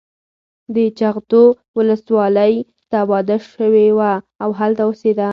د جغتو ولسوالۍ ته واده شوې وه او هلته اوسېده.